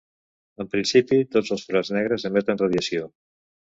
En principi, tots els forats negres emeten radiació.